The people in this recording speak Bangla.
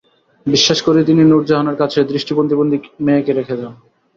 বিশ্বাস করেই তিনি নুরজাহানের কাছে দৃষ্টিপ্রতিবন্ধী মেয়েকে রেখে যান।